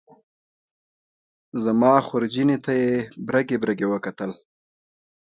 زما خورجینې ته یې برګې برګې وکتل.